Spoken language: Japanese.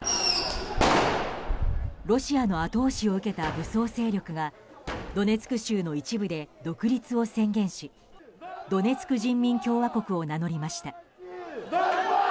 ロシアの後押しを受けた武装勢力がドネツク州の一部で独立を宣言しドネツク人民共和国を名乗りました。